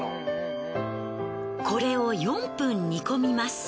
これを４分煮込みます。